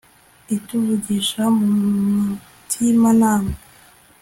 ituvugisha mu mutimanama